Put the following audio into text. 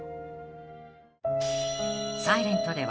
［『ｓｉｌｅｎｔ』では］